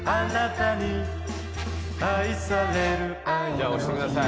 じゃあ押してください。